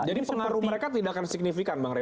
jadi pengaruh mereka tidak akan signifikan bang rem